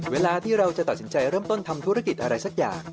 เวลาที่เราจะตัดสินใจเริ่มต้นทำธุรกิจอะไรสักอย่าง